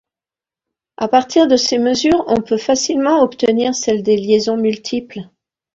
À partir de ces mesures, on peut facilement obtenir celles des liaisons multiples.